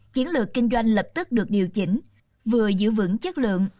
chiến lược kinh doanh lập tức được điều chỉnh vừa giữ vững chất lượng